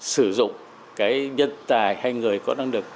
sử dụng cái nhân tài hay người có năng lực